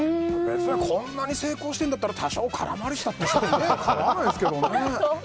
こんなに成功してるんだったら多少、空回りしたって構わないですけどね。